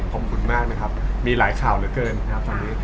ขอบคุณมากนะครับมีหลายข่าวเหลือเกินนะครับตอนนี้